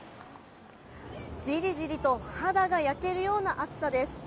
じりじりと肌が焼けるような暑さです。